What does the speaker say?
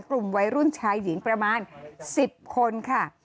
กลุ่มวัยรุ่นชายหญิงประมาณ๑๐คนค่ะ